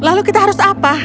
lalu kita harus apa